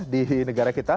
di negara kita